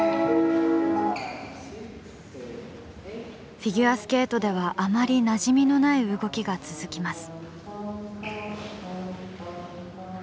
フィギュアスケートではあまりなじみのない動きが続きます。